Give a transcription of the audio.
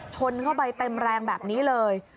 ชนเข้าไปเต็มแรงแบบนี้เลย